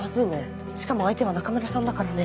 しかも相手は中村さんだからね。